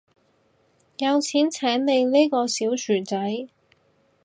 有錢請你呢個小薯仔